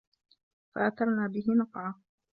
فَأَثَرنَ بِهِ نَقعًا